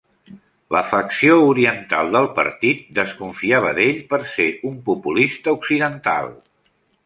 La facció oriental del partit desconfiava d'ell per ser un populista occidental.